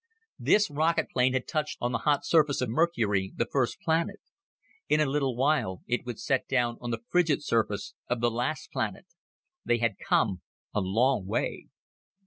This rocket plane had touched on the hot surface of Mercury, the first planet, In a little while it would set down on the frigid surface of the last planet. They had come a long way.